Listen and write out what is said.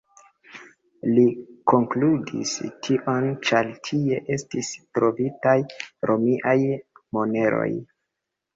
Li konkludis tion, ĉar tie estis trovitaj romiaj moneroj.